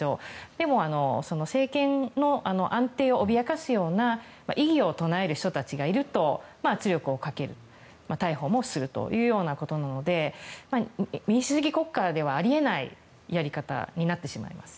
でも、政権の安定を脅かすような異議を唱える人たちがいると圧力をかける逮捕もするというようなことなので民主主義国家ではあり得ないやり方になってしまいます。